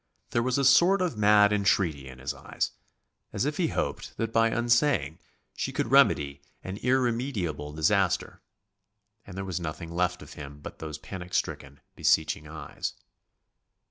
There was a sort of mad entreaty in his eyes, as if he hoped that by unsaying she could remedy an irremediable disaster, and there was nothing left of him but those panic stricken, beseeching eyes.